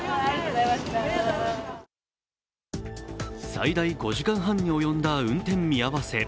最大５時間半に及んだ運転見合わせ。